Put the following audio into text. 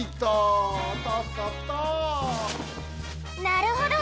なるほど！